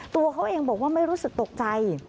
ตัวเขาเองบอกว่าไม่รู้สึกตกใจ